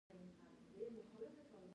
د بروکراسۍ ستونزې حل شوې؟